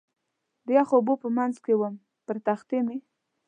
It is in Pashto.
د یخو اوبو په منځ کې ووم، پر تختې مې.